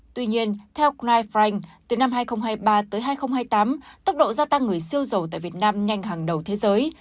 tuy nhiên theo krif frank từ năm hai nghìn hai mươi ba tới hai nghìn hai mươi tám tốc độ gia tăng người siêu dầu tại việt nam nhanh hàng đầu thế giới